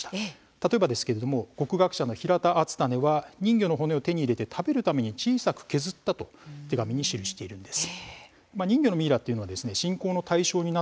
例えば国学者の平田篤胤は人魚の骨を手に入れて食べるために小さく削ったと手紙に記しています。